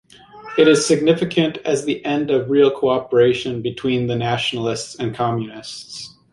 It is significant as the end of real cooperation between the Nationalists and Communists.